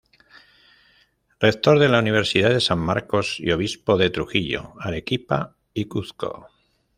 Rector de la Universidad de San Marcos y obispo de Trujillo, Arequipa y Cuzco.